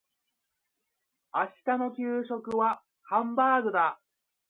明日の給食はハンバーグだ。